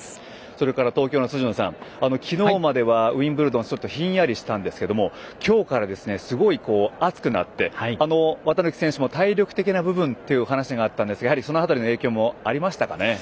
それから東京の辻野さん昨日までは、ウィンブルドンひんやりしてたんですけど今日からすごい暑くなって、綿貫選手も体力的な部分というお話があったんですが、その影響もあったでしょうか。